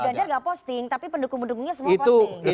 ganjar gak posting tapi pendukung pendukungnya semua posting